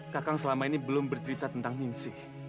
kakak selama ini belum bercerita tentang ninsi